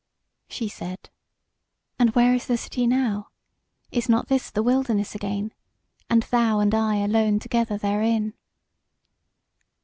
She said: "And where is the city now? is not this the wilderness again, and thou and I alone together therein?"